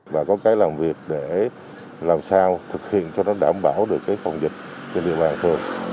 và có cái làm việc để làm sao thực hiện cho nó đảm bảo được cái phòng dịch trên địa bàn phường